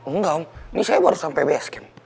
enggak om ini saya baru sampe bs kim